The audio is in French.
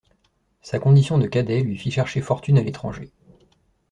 Sa condition de cadet lui fit chercher fortune à l’étranger.